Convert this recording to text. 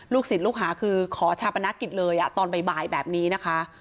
ศิลปลูกหาคือขอชาปนกิจเลยตอนบ่ายแบบนี้นะคะ